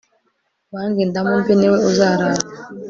uwanga indamu mbi ni we uzaramba